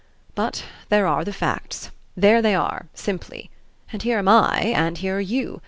But there are the facts. There they are, simply. And here am I, and here are you.